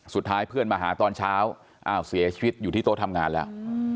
สุดท้ายเพื่อนมาหาตอนเช้าอ้าวเสียชีวิตอยู่ที่โต๊ะทำงานแล้ว